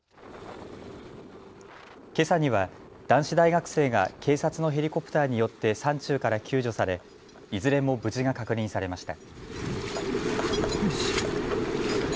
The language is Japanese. けさには男子大学生が警察のヘリコプターによって山中から救助されいずれも無事が確認されました。